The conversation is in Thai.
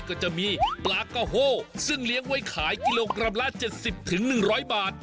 ก็จะมีปลากะโฮซึ่งเลี้ยงไว้ขายกิโลกรัมละ๗๐๑๐๐บาท